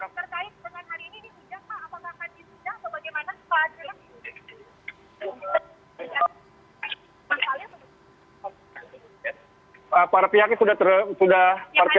pertanyaan tentang hari ini disudah pak apa apa disudah apa bagaimana